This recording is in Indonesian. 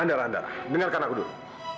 adara adara dengarkan aku dulu